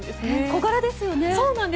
小柄ですよね。